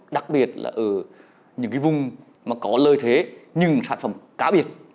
đặc biệt là ở những vùng có lợi thế nhưng sản phẩm cá biệt